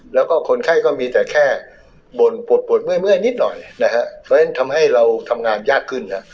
แล้วก็คนไข้ก็มีแต่แค่บ่นปวดปวดเมื่อยนิดหน่อยนะฮะเพราะฉะนั้นทำให้เราทำงานยากขึ้นฮะ